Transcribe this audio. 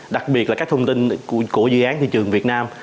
đặc biệt là các thông tin của dự án thị trường việt nam